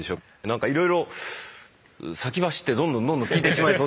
なんかいろいろ先走ってどんどんどんどん聞いてしまいそうですけど。